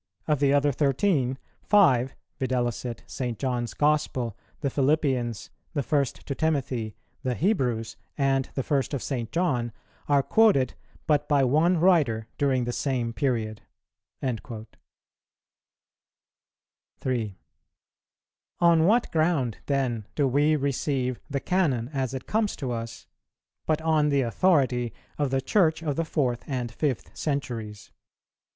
Of the other thirteen, five, viz. St. John's Gospel, the Philippians, the First to Timothy, the Hebrews, and the First of St. John are quoted but by one writer during the same period."[125:1] 3. On what ground, then, do we receive the Canon as it comes to us, but on the authority of the Church of the fourth and fifth centuries?